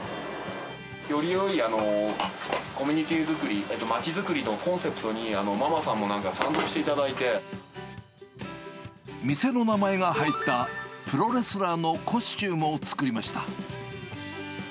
よりよいコミュニティー作り、街づくりのコンセプトに、店の名前が入った、プロレスラーのコスチュームを作りました。